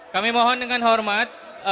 kami mohon dengan hormat